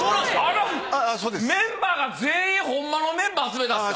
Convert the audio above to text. メンバーが全員ホンマのメンバー集めたんですか。